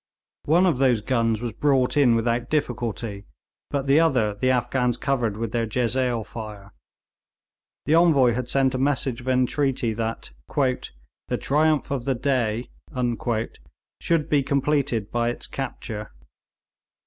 One of those guns was brought in without difficulty, but the other the Afghans covered with their jezail fire. The Envoy had sent a message of entreaty that 'the triumph of the day' should be completed by its capture.